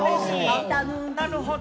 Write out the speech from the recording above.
なるほど。